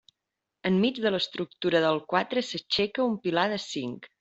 Enmig de l'estructura del quatre s'aixeca el pilar de cinc.